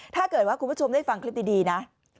ถ้าเกิดว่าคุณผู้ชมได้ฟังคลิปดีนะ